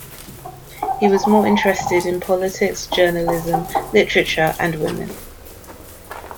He was more interested in politics, journalism, literature and women.